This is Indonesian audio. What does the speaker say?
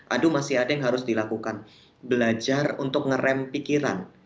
aduh masih ada yang harus dilakukan belajar untuk ngerem pikiran